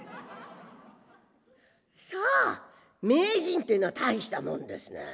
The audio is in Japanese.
さあ名人というのは大したもんですね。